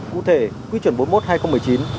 cụ thể quy chuẩn bốn mươi một hai nghìn một mươi chín